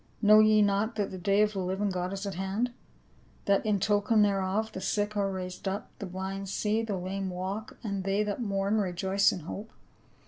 Know ye not tliat the day of the living God is at hand ? That in token thereof the sick are raised up, the blind see, the lame walk, and they that mourn rejoice in hope